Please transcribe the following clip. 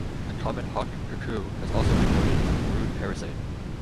The common hawk-cuckoo has also been noted as a brood-parasite.